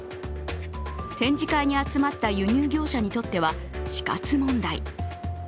展示会に集まった輸入業者にとっては死活問題。